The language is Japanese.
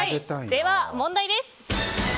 では、問題です。